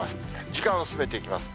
時間を進めていきます。